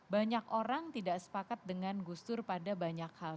banyak orang tidak sepakat dengan gus dur pada banyak hal